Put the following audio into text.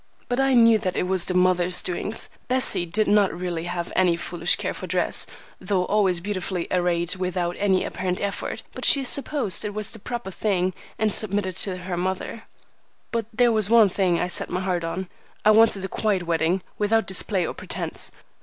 But I knew that it was the mother's doings. Bessie did not really have any foolish care for dress, though always beautifully arrayed without any apparent effort; but she supposed it was the proper thing, and submitted to her mother. But there was one thing I set my heart on. I wanted a quiet wedding, without display or pretence.